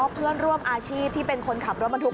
เพื่อนร่วมอาชีพที่เป็นคนขับรถบรรทุก